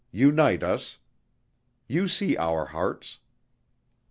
Unite us! You see our hearts."